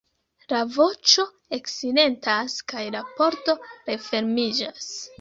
La voĉo eksilentas kaj la pordo refermiĝas.